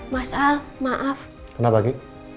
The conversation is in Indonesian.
mas al maaf kenapa gini